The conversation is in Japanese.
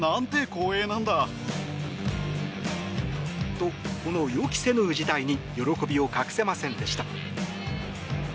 と、この予期せぬ事態に喜びを隠せませんでした。